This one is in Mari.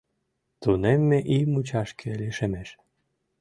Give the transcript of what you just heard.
Тунемме ий мучашке лишемеш.